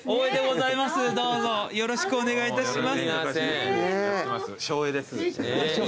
よろしくお願いします。